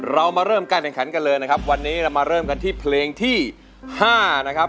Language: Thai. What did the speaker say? เรามาเริ่มการแข่งขันกันเลยนะครับวันนี้เรามาเริ่มกันที่เพลงที่๕นะครับ